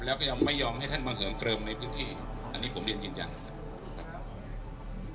แล้วก็ยังไม่ยอมให้ท่านมาเหิมเกลิมในพื้นที่อันนี้ผมเรียนยืนยันนะครับ